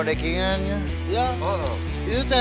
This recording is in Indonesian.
itu waktu gangguin saya pak